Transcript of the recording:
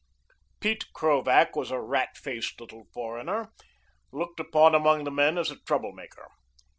Pete Krovac was a rat faced little foreigner, looked upon among the men as a trouble maker.